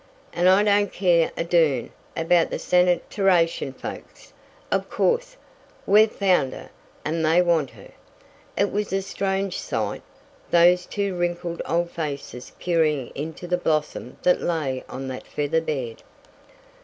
And I don't care a durn about the sanitarition folks. Of course if we've found her and they want her " It was a strange sight. Those two wrinkled old faces peering into the blossom that lay on that feather bed!